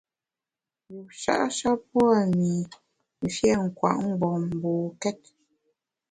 Yusha’ sha pua’ mi mfiét nkwet mgbom mbokét.